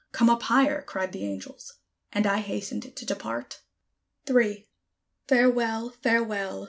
"Come up higher!" cried the angels; and I hastened to depart. III. Farewell! farewell!